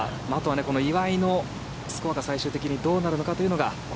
この岩井のスコアが最終的にどうなるかというのが。